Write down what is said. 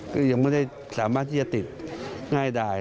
ก็ยังไม่ได้สามารถที่จะติดง่ายได้